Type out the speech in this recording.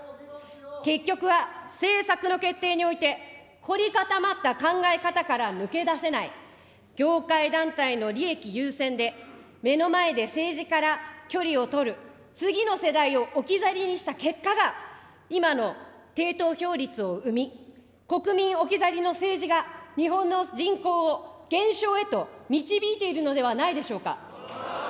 結局は政策の決定において、凝り固まった考え方から抜け出せない、業界団体の利益優先で、目の前で政治から距離を取る、次の世代を置き去りにした結果が、今の低投票率を生み、国民置き去りの政治が日本の人口を減少へと導いているのではないでしょうか。